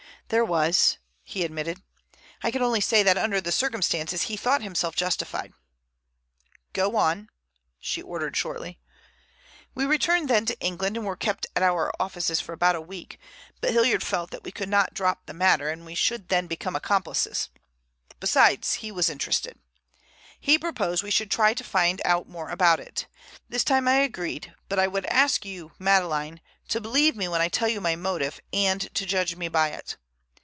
"There was," he admitted. "I can only say that under the circumstances he thought himself justified." "Go on," she ordered shortly. "We returned then to England, and were kept at our offices for about a week. But Hilliard felt that we could not drop the matter, as we should then become accomplices. Besides, he was interested. He proposed we should try to find out more about it. This time I agreed, but I would ask you, Madeleine, to believe me when I tell you my motive, and to judge me by it.